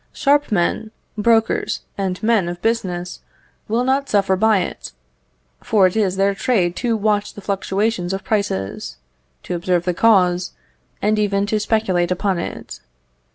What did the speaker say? Sharp men, brokers, and men of business, will not suffer by it; for it is their trade to watch the fluctuations of prices, to observe the cause, and even to speculate upon it.